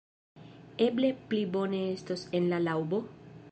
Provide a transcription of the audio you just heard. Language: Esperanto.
Eble pli bone estos en la laŭbo?